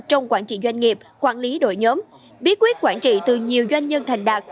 trong quản trị doanh nghiệp quản lý đội nhóm bí quyết quản trị từ nhiều doanh nhân thành đạt